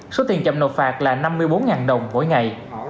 số tiền chậm nộp phạt là năm mươi bốn đồng mỗi ngày